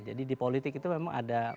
jadi di politik itu memang ada